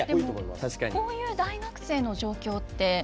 こういう大学生の状況